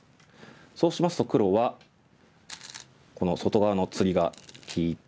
そうしますと黒はこの外側の釣りが利いて。